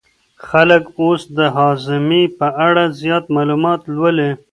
خلک اوس د هاضمې په اړه زیات معلومات لولي.